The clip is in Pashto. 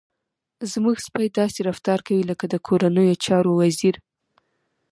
زموږ سپی داسې رفتار کوي لکه د کورنیو چارو وزير.